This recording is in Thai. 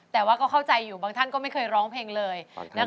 แต่ว่าก็เข้าใจอยู่บางท่านก็ไม่เคยร้องเพลงเลย